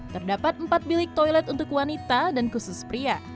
terdapat empat bilik toilet untuk wanita dan khusus pria